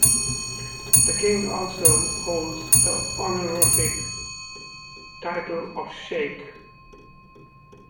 The King also holds the honorific title of sheikh.